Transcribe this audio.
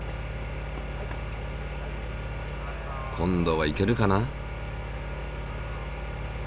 今度はいけるかな？